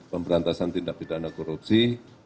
pemberantasan tindak pidana korupsi